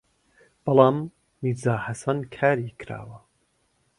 بەڵام «میرزا حەسەن» کاری کراوە